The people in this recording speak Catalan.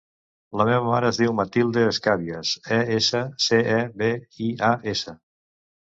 La meva mare es diu Matilda Escabias: e, essa, ce, a, be, i, a, essa.